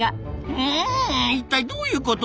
うん一体どういうこと？